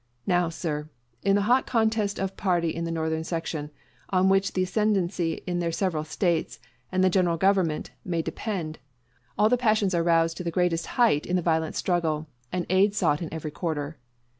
Now, sir, in the hot contest of party in the Northern section, on which the ascendency in their several States and the general government may depend, all the passions are roused to the greatest height in the violent struggle, and aid sought in every quarter.